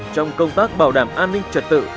trong công tác bảo đảm an ninh trật tự